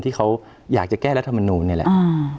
ที่เขาอยากจะแก้รัฐมนูลนี่แหละ